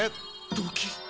ドキッ。